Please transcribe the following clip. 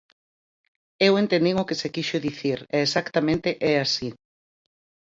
Eu entendín o que se quixo dicir e exactamente é así.